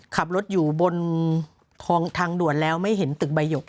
ขับรถอยู่บนท้องทางด่วนแล้วไม่เห็นตึกใบหยก